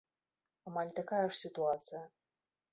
Амаль такая ж сітуацыя.